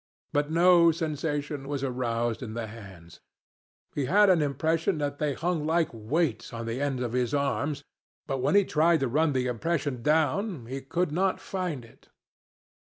But no sensation was aroused in the hands. He had an impression that they hung like weights on the ends of his arms, but when he tried to run the impression down, he could not find it.